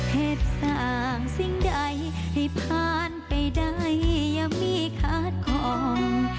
เหตุสร้างสิ่งใดให้ผ่านไปได้อย่ามีขาดของ